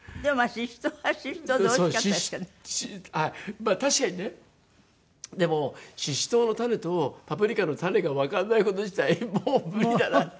まあ確かにね。でもししとうの種とパプリカの種がわかんない事自体もう無理だなって。